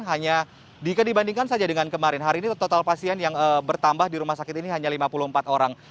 hanya jika dibandingkan saja dengan kemarin hari ini total pasien yang bertambah di rumah sakit ini hanya lima puluh empat orang